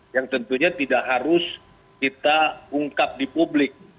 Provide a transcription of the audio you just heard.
yang tentunya tidak harus kita ungkap di publik